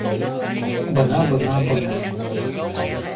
— Бына, бына, бына...